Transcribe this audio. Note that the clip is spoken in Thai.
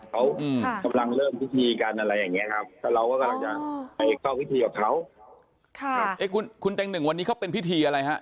เขากำลังเริ่มพิธีกันอะไรอย่างเงี้ยครับแต่เรากำลังจะไปต้องพิธีกับเขาค่ะ